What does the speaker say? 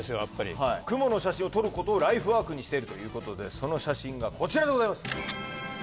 やっぱり雲の写真を撮ることをライフワークにしているということでその写真がこちらでございます